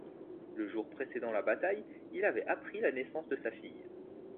Le jour précédent la bataille, il avait appris la naissance de sa fille.